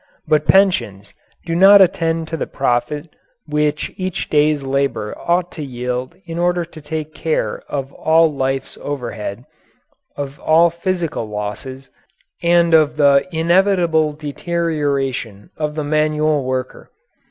But pensions do not attend to the profit which each day's labour ought to yield in order to take care of all of life's overhead, of all physical losses, and of the inevitable deterioration of the manual worker.